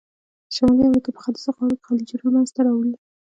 د شمالي امریکا په ختیځو غاړو کې خلیجونه منځته راوړي دي.